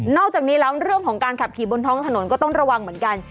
อกจากนี้แล้วเรื่องของการขับขี่บนท้องถนนก็ต้องระวังเหมือนกัน